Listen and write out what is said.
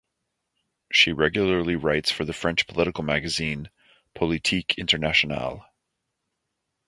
She regularly writes for the French political magazine "Politique internationale".